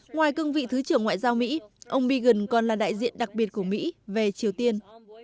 ngoài cương vị thứ trưởng ngoại giao mỹ ông pagan còn là đại diện đặc biệt của mỹ về triều tiên